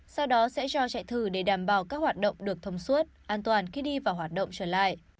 sau đó sẽ cho chạy thử để đảm bảo các hoạt động được thông suốt an toàn khi đi vào hoạt động trở lại